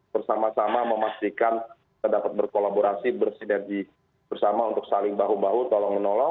bersama sama memastikan kita dapat berkolaborasi bersinergi bersama untuk saling bahu bahu tolong menolong